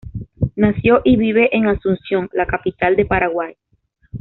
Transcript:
Nació y vive en Asunción, la capital del Paraguay.